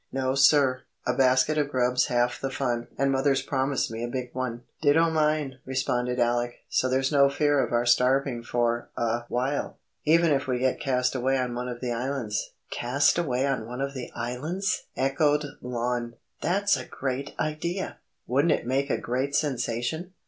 "No, sir. A basket of grub's half the fun. And mother's promised me a big one." "Ditto mine," responded Alec. "So there's no fear of our starving for a while, even if we get cast away on one of the islands." "Cast away on one of the islands!" echoed Lon. "That's a great idea! Wouldn't it make a great sensation?"